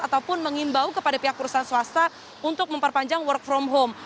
ataupun mengimbau kepada pihak perusahaan swasta untuk memperpanjang work from home